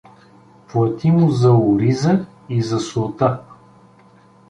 Плати му за ориза и за солта.